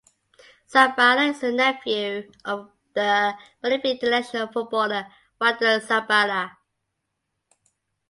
Zabala is the nephew of the Bolivian international footballer Wilder Zabala.